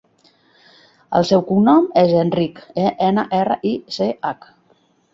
El seu cognom és Enrich: e, ena, erra, i, ce, hac.